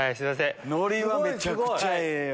ノリはめちゃくちゃええわ。